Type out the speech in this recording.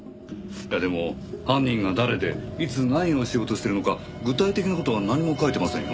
でも犯人が誰でいつ何をしようとしているのか具体的な事は何も書いてませんよ？